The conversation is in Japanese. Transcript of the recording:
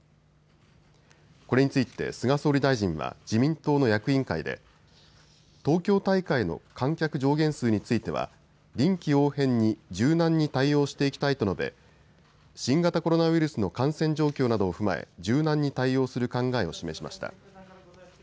これについて菅総理大臣は自民党の役員会で東京大会の観客上限数については臨機応変に柔軟に対応していきたいと述べ新型コロナウイルスの感染状況などを踏まえ柔軟に対応する考えを示しました。